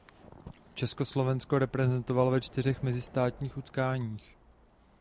Československo reprezentoval ve čtyřech mezistátních utkáních.